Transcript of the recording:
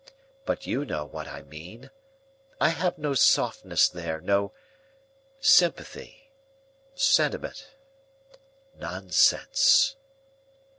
But you know what I mean. I have no softness there, no—sympathy—sentiment—nonsense."